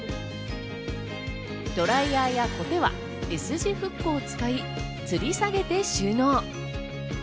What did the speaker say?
ドライヤーやコテは、Ｓ字フックを使いつり下げて収納。